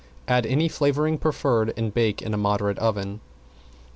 Add any flavoring preferred and bake in a moderate oven.